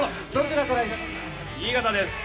新潟です。